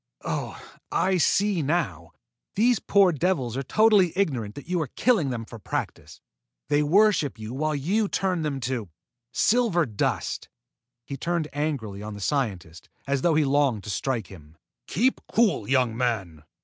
Oh, I see now! These poor devils are totally ignorant that you are killing them for practice. They worship you while you turn them to silver dust!" He turned angrily on the scientist as though he longed to strike him. "Keep cool, young man!"